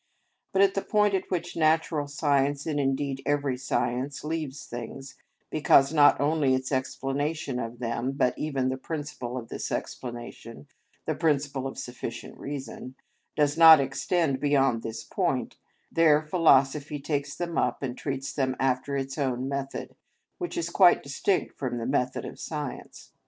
But at the point at which natural science, and indeed every science, leaves things, because not only its explanation of them, but even the principle of this explanation, the principle of sufficient reason, does not extend beyond this point; there philosophy takes them up and treats them after its own method, which is quite distinct from the method of science.